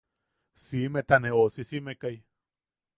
Siimeta ne joʼosisimekai.